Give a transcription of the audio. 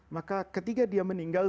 maka ketika dia meninggal